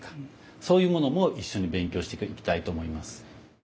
そういうものも一緒に勉強していきたいと思います。